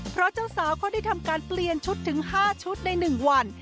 เพราะเจ้าสาวเขาได้ทำการเปลี่ยนชุดถึง๕ชุดใน๑วัน